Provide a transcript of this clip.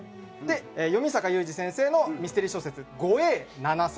詠坂雄二先生のミステリー小説『５Ａ７３』。